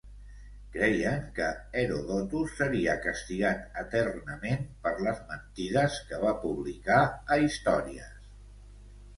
Creien que Herodotus seria castigat eternament per les "mentides" que va publicar a "Histories".